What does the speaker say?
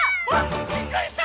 びっくりした！